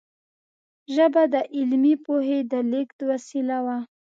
ژبه د علمي پوهې د لېږد وسیله وه.